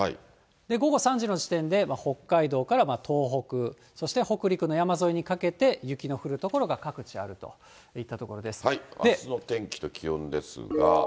午後３時の時点で北海道から東北、そして北陸の山沿いにかけて雪の降る所が各地あるといったところあすの天気と気温ですが。